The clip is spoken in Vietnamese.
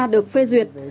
được phê duyệt